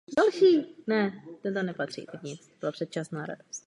Důvodem ochrany jsou teplomilná rostlinná společenstva a vzácné druhy rostlin a živočichů.